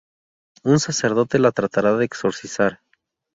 Un sacerdote la tratará de exorcizar.